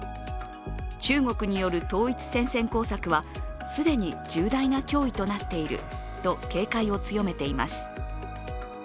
中国による統一戦線工作は既に重大な脅威となっていると警戒を強めています。